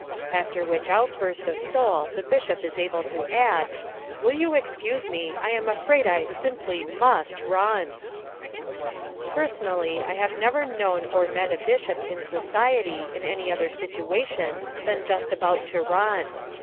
After which outburst of soul the Bishop is able to add, "Will you excuse me, I'm afraid I simply MUST run." Personally, I have never known or met a Bishop in society in any other situation than just about to run.